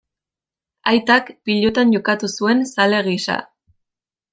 Aitak pilotan jokatu zuen zale gisa.